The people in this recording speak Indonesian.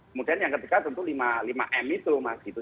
kemudian yang ketiga tentu lima m itu mas gitu